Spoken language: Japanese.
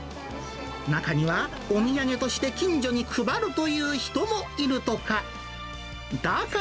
中には、お土産として近所に配るという人もいるとか。